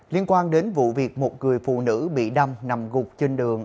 liên quan đến vụ việc một người phụ nữ bị đâm nằm gục trên đường